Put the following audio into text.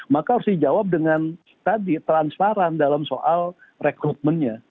maka harus dijawab dengan tadi transparan dalam soal rekrutmennya